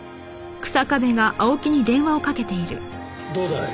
どうだい？